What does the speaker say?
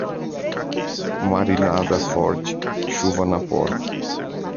Marinada forte, chuva na porta.